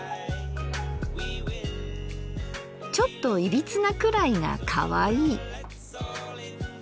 ちょっといびつなくらいがかわいい。